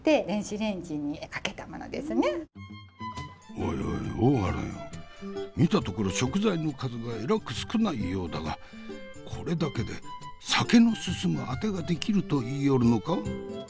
おいおい大原よ見たところ食材の数がえらく少ないようだがこれだけで酒の進むあてが出来ると言いよるのか？